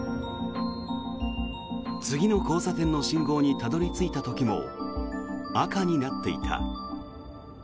次の交差点の信号にたどり着いた時も赤になっていた。